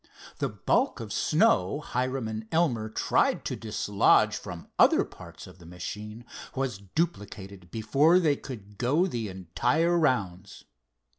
The bulk of snow Hiram and Elmer tried to dislodge from other parts of the machine was duplicated before they could go the entire rounds.